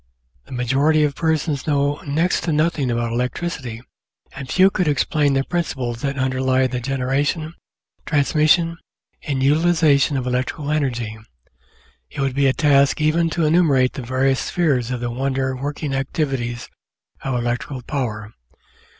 The majority of persons know next to nothing about electricity, and few could explain the principles that underlie the generation, transmission, and utilisation of electrical energy. It would be a task even to enumerate the various spheres of the wonder working activities of electrical power.